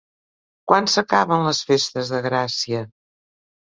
Quan s'acaben les festes de Gràcia?